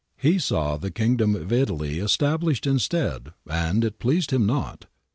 He saw the Kingdom of Italy established instead, and it pleased him not.